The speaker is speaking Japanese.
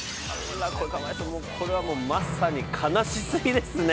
これはまさに悲しすぎですね。